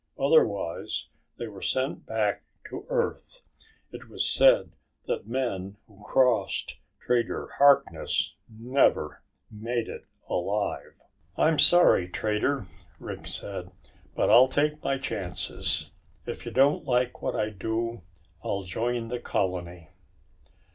Otherwise they were sent back to Earth. It was said that men who crossed Trader Harkness never made it alive. "I'm sorry, Trader," Rick said, "but I'll take my chances. If you don't like what I do, I'll join the colony."